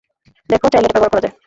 দেখো, চাইলে এটা ব্যবহার করা যায়!